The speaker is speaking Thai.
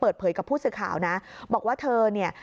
เปิดเผยกับผู้สื่อข่าวนะบอกว่าเธอเนี่ย